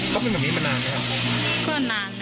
ก็นานแล้วค่ะ